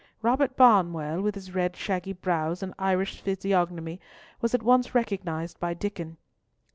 Robert Barnwell, with his red, shaggy brows and Irish physiognomy, was at once recognised by Diccon.